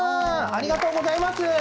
ありがとうございます。